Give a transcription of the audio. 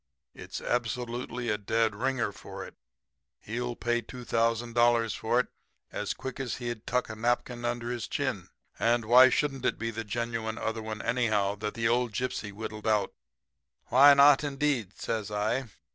It's absolutely a dead ringer for it. He'll pay $2,000 for it as quick as he'd tuck a napkin under his chin. And why shouldn't it be the genuine other one, anyhow, that the old gypsy whittled out?' "'Why not, indeed?' says I.